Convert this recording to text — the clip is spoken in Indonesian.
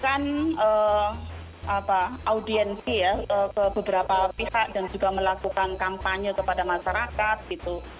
melakukan audiensi ya ke beberapa pihak dan juga melakukan kampanye kepada masyarakat gitu